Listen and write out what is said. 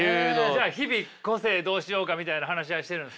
じゃあ日々個性どうしようかみたいな話し合いしてるんですか？